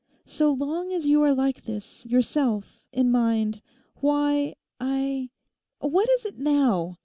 So long as you are like this, yourself, in mind, why I—What is it now?